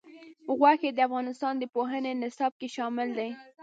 غوښې د افغانستان د پوهنې نصاب کې شامل دي.